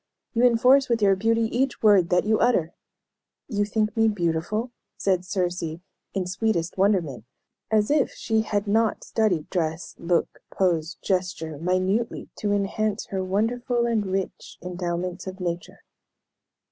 You enforce with your beauty each word that you utter!" "You think me beautiful?" said Circe, in sweetest wonderment, as if she had not studied dress, look, pose, gesture, minutely to enhance her wonderful and rich endowments of nature.